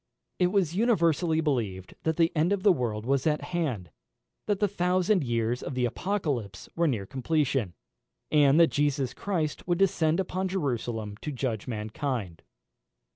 It was universally believed that the end of the world was at hand; that the thousand years of the Apocalypse were near completion, and that Jesus Christ would descend upon Jerusalem to judge mankind.